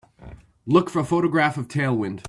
Look for a photograph of Tailwind